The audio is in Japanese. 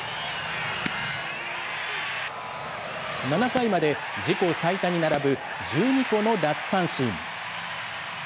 ７回まで自己最多に並ぶ１２個の奪三振。